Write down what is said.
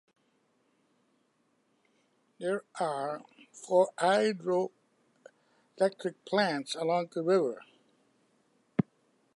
There are four hydroelectric plants along the river.